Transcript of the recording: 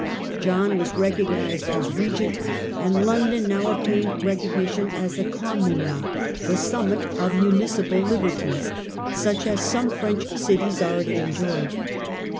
John" was recognized as regent, and London now obtained recognition as a communa^ the summit of municipal liberties, such as some French cities already enjoyed.